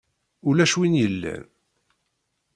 Ulac win yellan.